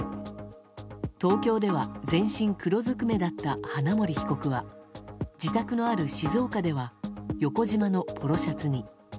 東京では全身黒ずくめだった花森被告は自宅のある静岡では横じまのポロシャツに。